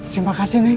terima kasih neng